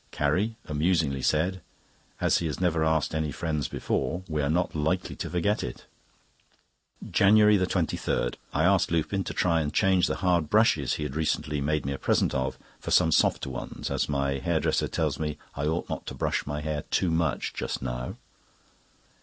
Carrie amusingly said: "As he has never asked any friends before, we are not likely to forget it." JANUARY 23.—I asked Lupin to try and change the hard brushes, he recently made me a present of, for some softer ones, as my hair dresser tells me I ought not to brush my hair too much just now.